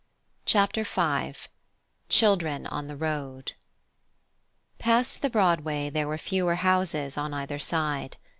CHAPTER V: CHILDREN ON THE ROAD Past the Broadway there were fewer houses on either side.